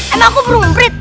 emang aku belum eenprit